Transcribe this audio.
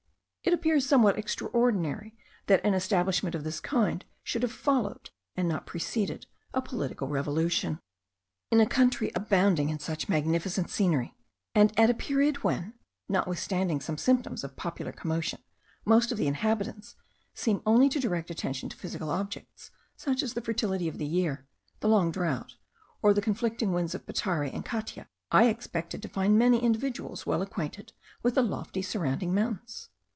It appears somewhat extraordinary that an establishment of this kind should have followed, and not preceded, a political revolution. In a country abounding in such magnificent scenery, and at a period when, notwithstanding some symptoms of popular commotion, most of the inhabitants seem only to direct attention to physical objects, such as the fertility of the year, the long drought, or the conflicting winds of Petare and Catia, I expected to find many individuals well acquainted with the lofty surrounding mountains.